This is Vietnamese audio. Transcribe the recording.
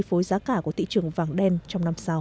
với giá cả của thị trường vàng đen trong năm sau